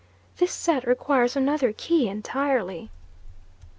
This set requires another key entirely.